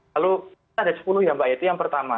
lalu kita ada sepuluh ya mbak yaitu yang pertama